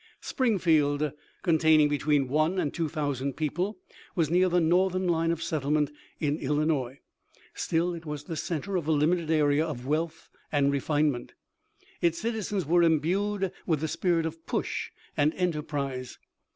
Springfield, con taining between one and two thousand people, was near the northern line of settlement in Illinois. Still it was the center of a limited area of wealth and refinement. Its citizens were imbued with the spirit of push and enterprise.